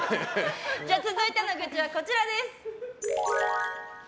続いての愚痴はこちらです。